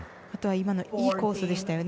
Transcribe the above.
今のいいコースでしたよね。